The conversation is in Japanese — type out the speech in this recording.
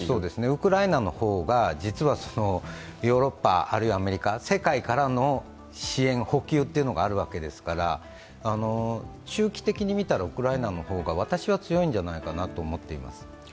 ウクライナの方が、実はヨーロッパ、あるいはアメリカ、世界からの支援、補給というのがあるわけですから、中期的に見たらウクライナの方が強いんじゃないかと思っています。